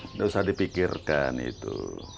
nggak usah dipikirkan itu